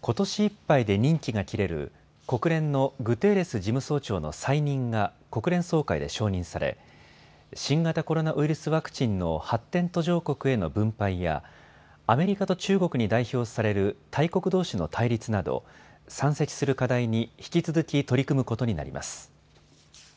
ことしいっぱいで任期が切れる国連のグテーレス事務総長の再任が国連総会で承認され、新型コロナウイルスワクチンの発展途上国への分配やアメリカと中国に代表される大国どうしの対立など山積する課題に引き続き取り組むことになります。